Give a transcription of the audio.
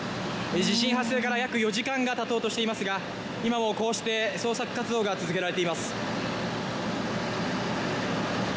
地震発生から約４時間がたとうとしていますが今もこうして捜索活動が続けられています